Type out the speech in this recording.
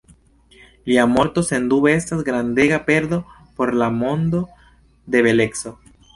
Lia morto sendube estas grandega perdo por la mondo de beleco.